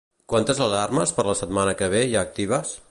Quantes alarmes per la setmana que ve hi ha actives?